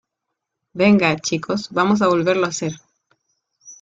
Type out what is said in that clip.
venga, chicos , vamos a volverlo a hacer